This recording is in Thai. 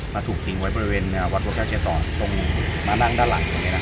มาถูกทิ้งไว้บริเวณวัดโรคชาติเกียรติสองตรงมานั่งด้านหลัง